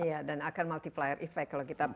iya dan akan multiplier effect kalau kita